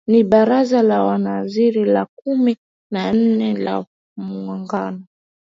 Ni Baraza la Mawaziri la kumi na nne la Muungano